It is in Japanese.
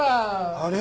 あれ？